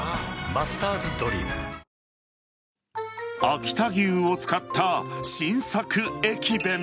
秋田牛を使った新作駅弁。